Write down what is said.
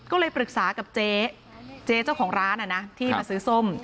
ก็เลยปรึกษากับเจ๊เจ๊เจ้าของร้านที่มาซื้อส้ม